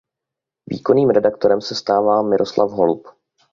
Výkonným redaktorem se stává Miroslav Holub.